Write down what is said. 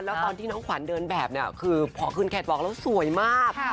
แล้วตอนที่น้องขวัญเดินแบบเนี่ยคือพอขึ้นแคทวอร์กแล้วสวยมาก